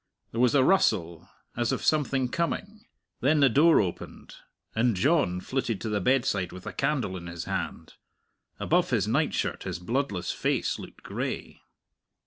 There was a rustle, as of something coming; then the door opened, and John flitted to the bedside with a candle in his hand. Above his nightshirt his bloodless face looked gray.